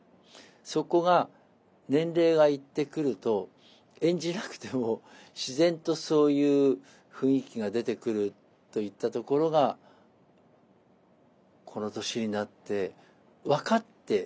そこが年齢が行ってくると演じなくても自然とそういう雰囲気が出てくるといったところがこの年になって分かって。